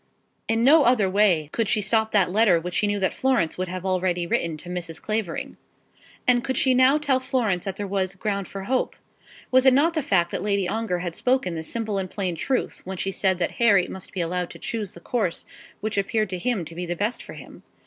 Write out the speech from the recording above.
In no other way could she stop that letter which she knew that Florence would have already written to Mrs. Clavering. And could she now tell Florence that there was ground for hope? Was it not the fact that Lady Ongar had spoken the simple and plain truth when she had said that Harry must be allowed to choose the course which appeared to him to be the best for him?